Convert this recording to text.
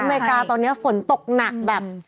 อเมริกาตอนนี้ฝนตกหนักแบบ